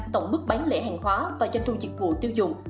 tổng mức bán lẻ hàng hóa và doanh thu dịch vụ tiêu dùng